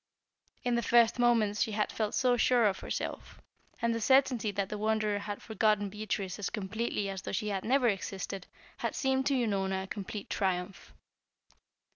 In the first moments she had felt sure of herself, and the certainty that the Wanderer had forgotten Beatrice as completely as though she had never existed had seemed to Unorna a complete triumph.